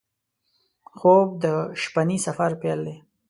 خوب د شپهني سفر پیل دی